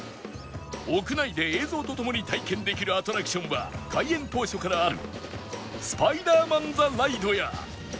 屋内で映像と共に体験できるアトラクションは開園当初からあるスパイダーマン・ザ・ライドや